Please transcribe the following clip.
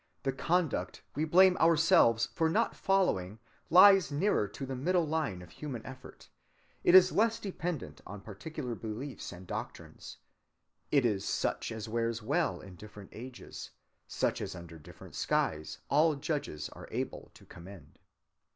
The conduct we blame ourselves for not following lies nearer to the middle line of human effort. It is less dependent on particular beliefs and doctrines. It is such as wears well in different ages, such as under different skies all judges are able to commend.